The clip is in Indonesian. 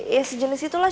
ya sejenis itulah